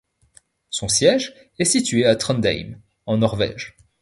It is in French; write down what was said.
Son siège est situé à Trondheim, en Norvège.